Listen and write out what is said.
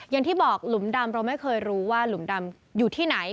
อย่างที่บอกหลุมดำเราไม่เคยรู้ว่าหลุมดำอยู่ที่ไหน